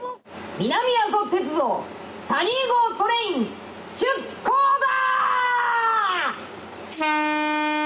南阿蘇鉄道サニー号トレイン出航だ。